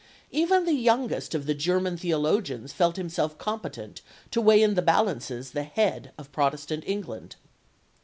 Even the youngest of the German theologians felt himself competent to weigh in the balances the head of Protestant England.